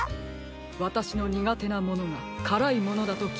わたしのにがてなものがからいものだときいたときに。